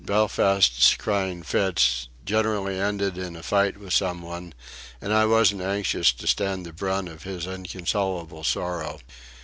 Belfast's crying fits generally ended in a fight with some one, and I wasn't anxious to stand the brunt of his inconsolable sorrow.